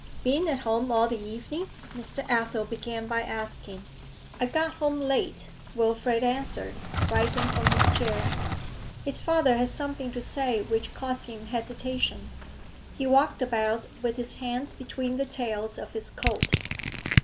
'Been at home all the evening?' Mr. Athel began by asking. 'I got home late,' Wilfrid answered, rising from his chair. His father had something to say which cost him hesitation. He walked about with his hands between the tails of his coat.